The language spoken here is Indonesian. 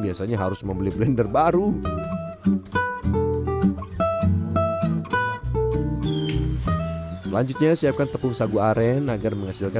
biasanya harus membeli blender baru selanjutnya siapkan tepung sagu aren agar menghasilkan